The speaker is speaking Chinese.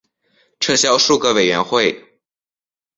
撤销数个委员会。